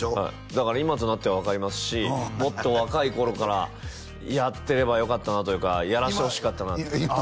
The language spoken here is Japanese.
だから今となっては分かりますしもっと若い頃からやってればよかったなというかやらせてほしかったなって